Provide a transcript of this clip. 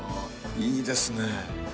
いいですね。